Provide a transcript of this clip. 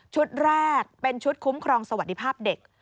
แรกเป็นชุดคุ้มครองสวัสดิภาพเด็ก